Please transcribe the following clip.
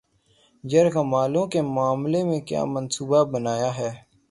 یرغمالوں کے معاملے میں کیا منصوبہ بنایا ہے